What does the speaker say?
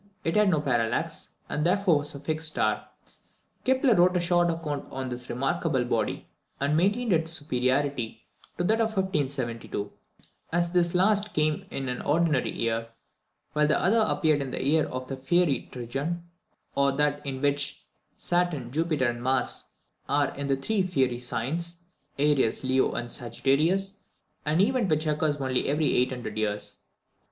It had no parallax, and therefore was a fixed star. Kepler wrote a short account of this remarkable body, and maintained its superiority to that of 1572, as this last came in an ordinary year, while the other appeared in the year of the fiery trigon, or that in which Saturn, Jupiter, and Mars, are in the three fiery signs, Aries, Leo, and Sagittarius, an event which occurs only every 800 years.